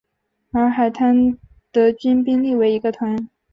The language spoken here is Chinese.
而海滩德军兵力为一个团。